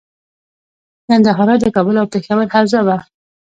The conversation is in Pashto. ګندهارا د کابل او پیښور حوزه وه